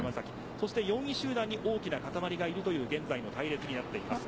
そして４位集団に大きな固まりがいるという現在の隊列になっています。